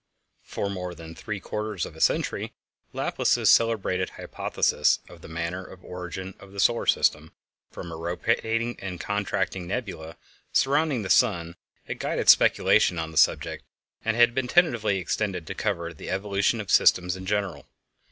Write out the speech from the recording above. For more than three quarters of a century Laplace's celebrated hypothesis of the manner of origin of the solar system from a rotating and contracting nebula surrounding the sun had guided speculation on that subject, and had been tentatively extended to cover the evolution of systems in general.